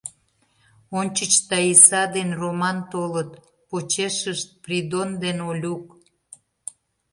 Ончыч Таиса ден Роман толыт, почешышт — Придон ден Олюк.